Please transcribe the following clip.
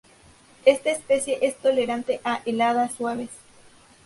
Esta especie es tolerante a heladas suaves.